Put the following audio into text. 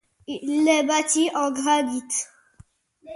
Il est bâti en granit.